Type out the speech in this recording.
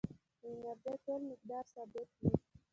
د انرژۍ ټول مقدار ثابت وي.